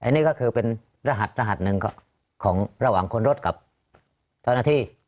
นี่ก็คือเป็นรหัสรหัสหนึ่งของระหว่างคนรถกับเจ้าหน้าที่